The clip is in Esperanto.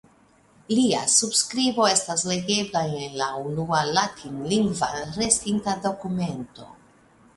Lia subskribo estas legebla en la unua latinlingva restinta dokumento.